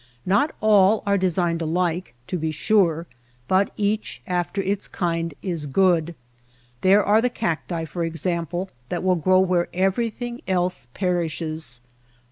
Not all are designed alike, to be sure, but each after its kind is good. There are the cacti, for example, that will grow where everything else perishes.